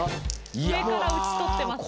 上から討ち取ってますね。